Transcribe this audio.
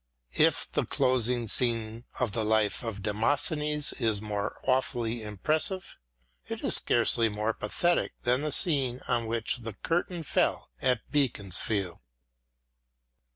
If the closing scene in the life of Demos thenes is more awfully impressive, it is scarcely more pathetic than the scene on which the curtain fell at Beaconsfield.